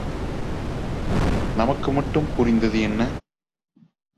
நமக்கு மட்டும் புரிந்து... என்ன?